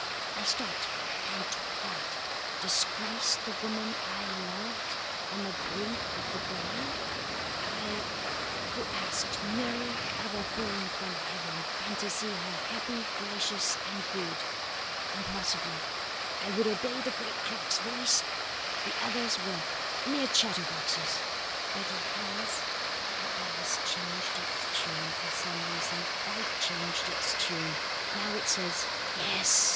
I stopped and took heart. Disgrace the woman I loved, on the brink of the grave? I , who asked no other boon from heaven than to see her happy, gracious, and good? Impossible. I would obey the great clock's voice; the others were mere chatterboxes. "But it has at last changed its tune, for some reason, quite changed its tune. Now, it is Yes!